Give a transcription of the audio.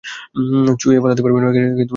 ছুঁয়ে পালাতে পারবি না।